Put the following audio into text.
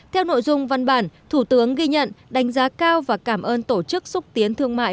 theo nội dung văn bản thủ tướng ghi nhận đánh giá cao và cảm ơn tổ chức xúc tiến thương mại